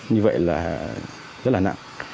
như vậy là rất là nặng